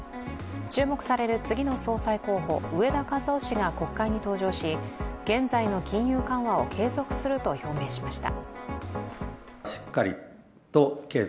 注目される次の総裁候補、植田和男氏が国会に登場し現在の金融緩和を継続すると表明しました。